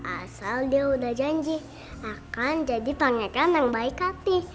asal dia udah janji akan jadi tongekan yang baik hati